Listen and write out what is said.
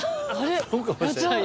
そうかもしれない。